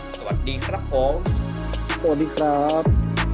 สวัสดีครับผมสวัสดีครับ